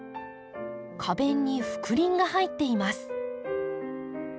花弁に覆輪が入っています。